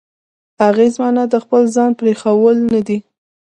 اغېز معنا د خپل ځان پرېښوول نه دی.